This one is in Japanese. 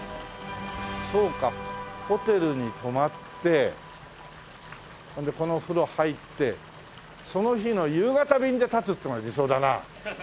そうかホテルに泊まってそれでこの風呂入ってその日の夕方便で発つっていうのが理想だな。